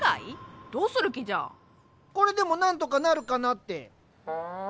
これでも何とかなるかなって。